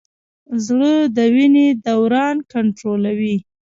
زړه د وینې دوران کنټرولوي.